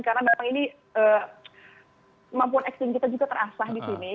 karena mampuan acting kita juga terasah di sini